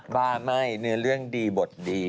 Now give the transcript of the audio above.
ว่าไม่เนื้อเรื่องดีบทดี